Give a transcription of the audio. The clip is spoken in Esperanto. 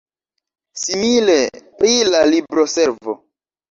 Simile pri la libroservo.